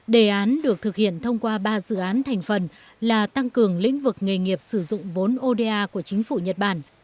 đề án được thực hiện thông qua ba dự án thành phần là tăng cường lĩnh vực nghề nghiệp sử dụng vốn oda của chính phủ nhật bản